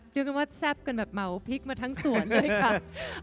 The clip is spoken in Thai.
เรียกกันว่าแซ่บกันแบบเหมาพริกมาทั้งสวนเลยค่ะ